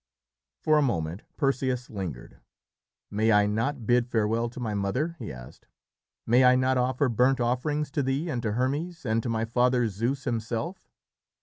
For a moment Perseus lingered. "May I not bid farewell to my mother?" he asked. "May I not offer burnt offerings to thee and to Hermes, and to my father Zeus himself?"